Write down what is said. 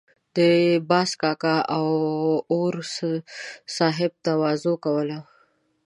د باز کاکا او اور صاحب تواضع کوله.